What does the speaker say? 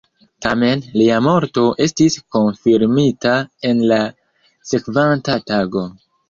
Tamen, lia morto estis konfirmita en la sekvanta tago.